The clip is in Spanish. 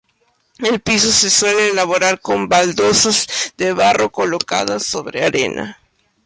El piso se suele elaborar con baldosas de barro colocadas sobre arena.